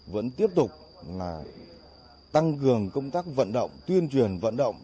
vẫn tiếp tục là tăng cường công tác vận động tuyên truyền vận động